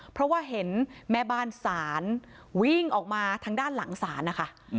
เพราะว่าเห็นแม่บ้านศาลวิ่งออกมาทางด้านหลังศาลนะคะ